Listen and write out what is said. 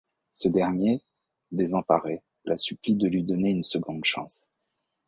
Ce dernier, désemparé, la supplie de lui donner une seconde chance.